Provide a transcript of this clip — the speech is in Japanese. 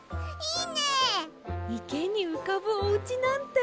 いけにうかぶおうちなんてすてきです。